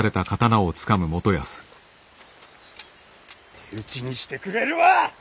手討ちにしてくれるわ！